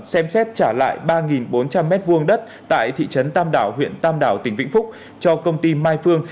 xem xét trả lại ba bốn trăm linh m hai đất tại thị trấn tam đảo huyện tam đảo tỉnh vĩnh phúc cho công ty mai phương